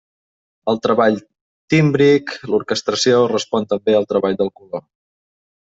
El treball tímbric, l'orquestració, respon també al treball del color.